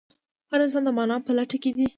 هر انسان د مانا په لټه کې دی.